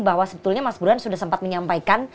bahwa sebetulnya mas burhan sudah sempat menyampaikan